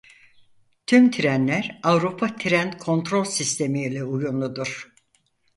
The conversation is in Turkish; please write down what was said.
Tüm trenler Avrupa Tren Kontrol Sistemi uyumludur.